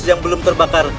yang belum terbakar